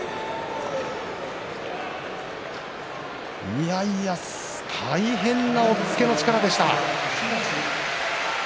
いやいや大変な押っつけの力でした。